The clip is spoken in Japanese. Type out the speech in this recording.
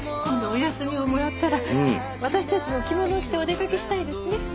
今度お休みをもらったら私たちも着物を着てお出かけしたいですね。